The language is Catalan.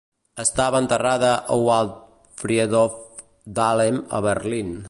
Estava enterrada a Waldfriedhof Dahlem a Berlin.